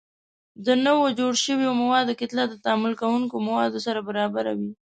د نوو جوړ شویو موادو کتله د تعامل کوونکو موادو سره برابره وي.